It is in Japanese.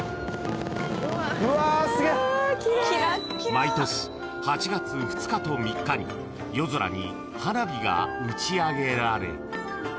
［毎年８月２日と３日に夜空に花火が打ち上げられ］